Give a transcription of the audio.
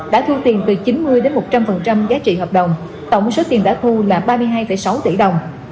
đã thu tiền từ chín mươi một trăm linh giá trị hợp đồng tổng số tiền đã thu là ba mươi hai sáu tỷ đồng